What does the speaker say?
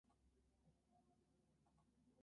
Es el edificio residencial más alto de Irán.